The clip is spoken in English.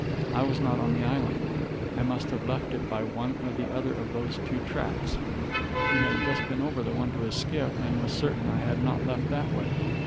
I was not on the island. I must have left it by one or the other of those two tracks. He had just been over the one to his skiff, and was certain I had not left that way.